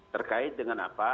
terkait dengan apa